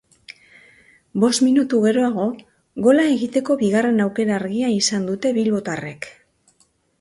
Bost minutu geroago, gola egiteko bigarren aukera argia izan dute bilbotarre.